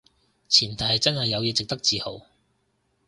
前提係真係有嘢值得自豪